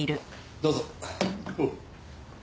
どうぞ。